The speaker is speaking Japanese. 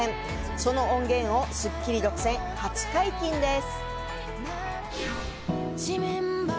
その音源を『スッキリ』独占初解禁です。